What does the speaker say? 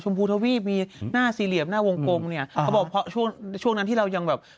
พูทวีปมีหน้าสี่เหลี่ยมหน้าวงกลมเนี่ยเขาบอกเพราะช่วงช่วงนั้นที่เรายังแบบ